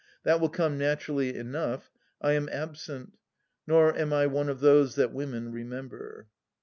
That will come naturally enough. I am absent. Nor am I one of those that women remember.